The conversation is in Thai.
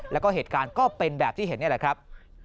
แล้วก็เหตุการณ์ก็เป็นแบบที่เห็นนี่แหละครับ